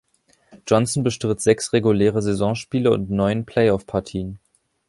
Johnson bestritt sechs reguläre Saisonspiele und neun Play-off-Partien.